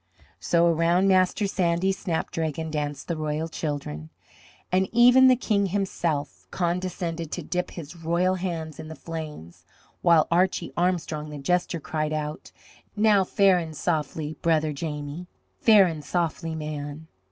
So around Master Sandy's Snapdragon danced the royal children, and even the King himself condescended to dip his royal hands in the flames, while Archie Armstrong the jester cried out: "Now fair and softly, brother Jamie, fair and softly, man.